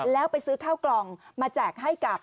แล้วไปซื้อข้าวกล่องมาแจกให้กับ